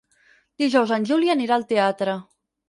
Dijous en Juli anirà al teatre.